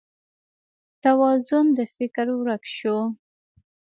توازون د فکر ورک شو